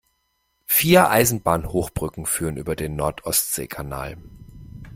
Vier Eisenbahnhochbrücken führen über den Nord-Ostsee-Kanal.